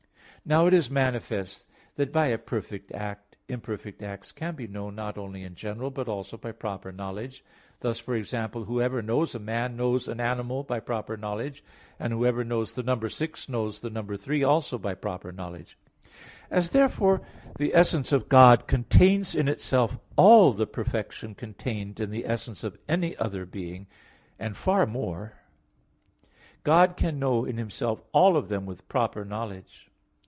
Now it is manifest that by a perfect act imperfect acts can be known not only in general, but also by proper knowledge; thus, for example, whoever knows a man, knows an animal by proper knowledge; and whoever knows the number six, knows the number three also by proper knowledge. As therefore the essence of God contains in itself all the perfection contained in the essence of any other being, and far more, God can know in Himself all of them with proper knowledge.